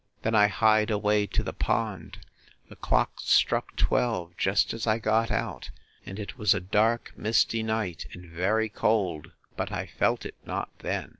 Then I hied away to the pond: The clock struck twelve, just as I got out; and it was a dark misty night, and very cold; but I felt it not then.